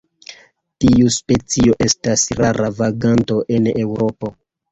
Tiu specio estas rara vaganto en Eŭropo.